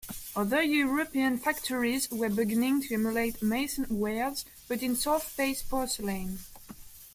Other European factories were beginning to emulate Meissen wares, but in soft-paste porcelain.